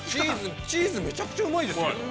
◆チーズ、めちゃくちゃうまいですけど。